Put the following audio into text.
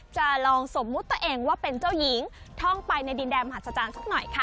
จะลองสมมุติตัวเองว่าเป็นเจ้าหญิงท่องไปในดินแดนมหาศจรรย์สักหน่อยค่ะ